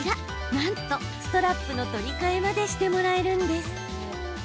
なんと、ストラップの取り替えまでしてもらえるんです。